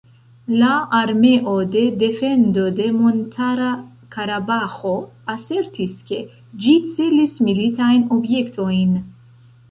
La armeo de defendo de Montara Karabaĥo asertis ke ĝi celis militajn objektojn.